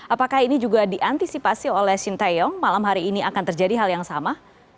apakah ini juga diantisipasi oleh shin taeyong malam hari ini akan terjadi hal yang sama